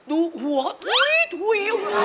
ดูหัวทุยโอ๊ย